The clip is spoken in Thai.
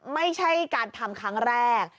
ไม่ใช่การทำครั้งแรก